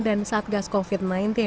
dan satgas covid sembilan belas